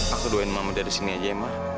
aku doain mama dari sini aja ya ma